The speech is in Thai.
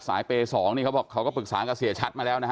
เปย์๒นี่เขาบอกเขาก็ปรึกษากับเสียชัดมาแล้วนะฮะ